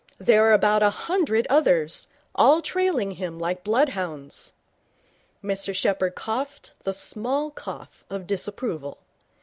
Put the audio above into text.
There are about a hundred others, all trailing him like bloodhounds.' Mr Sheppherd coughed the small cough of disapproval.